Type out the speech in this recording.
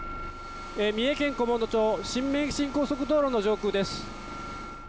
三重県菰野町、新名神高速道路の上空です。